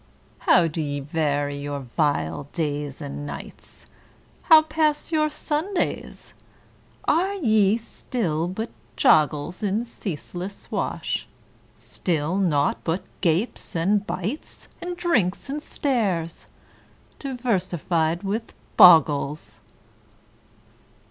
How do ye vary your vile days and nights? How pass your Sundays? Are ye still but joggles In ceaseless wash? Still naught but gapes and bites, And drinks and stares, diversified with boggles?